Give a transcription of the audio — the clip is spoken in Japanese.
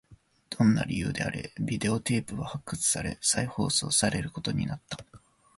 どんな理由であれ、ビデオテープは発掘され、再放送されることになった